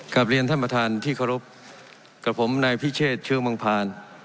กลับเรียนท่านประธานที่เคารพกับผมนายพิเชษเชื้อเมืองพาน